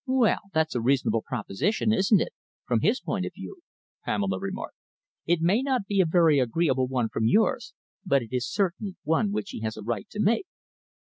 "Well, that's a reasonable proposition, isn't it, from his point of view?" Pamela remarked. "It may not be a very agreeable one from yours, but it is certainly one which he has a right to make."